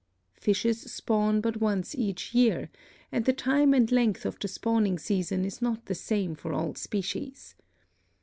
Fishes spawn but once each year, and the time and length of the spawning season is not the same for all species.